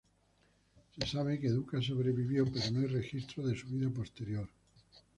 Se sabe que Ducas sobrevivió, pero no hay registro de su vida posterior.